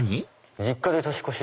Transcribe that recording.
「実家で年越し」。